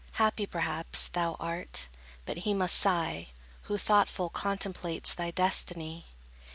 Happy, perhaps, thou art: but he must sigh Who, thoughtful, contemplates thy destiny.